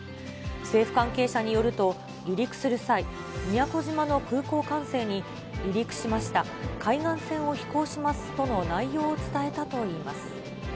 政府関係者によると、離陸する際、宮古島の空港管制に、離陸しました、海岸線を飛行しますとの内容を伝えたといいます。